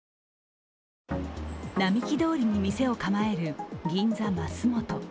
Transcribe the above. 並木通りに店を構える銀座升本。